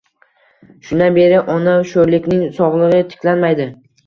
Shundan beri ona sho`rlikning sog`ligi tiklanmaydi